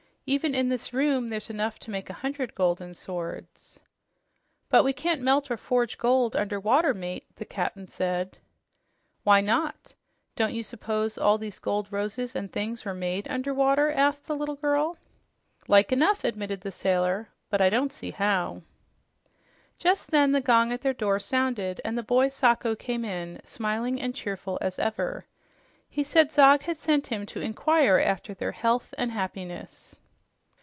"Even in this room there's enough to make a hundred golden swords." "But we can't melt or forge gold under water, mate," the Cap'n said. "Why not? Don't you s'pose all these gold roses and things were made under water?" asked the little girl. "Like enough," remarked the sailor, "but I don't see how." Just then the gong at the door sounded, and the boy Sacho came in smiling and cheerful as ever. He said Zog had sent him to inquire after their health and happiness.